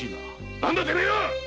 何だてめえは！